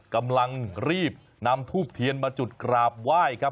กำลังรีบนำทูบเทียนมาจุดกราบไหว้ครับ